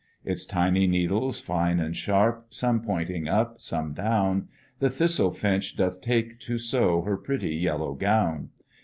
Its tiny needles, fine and sharp Some pointing up, some down The thistle finch doth take, to sew Her pretty yellow gown.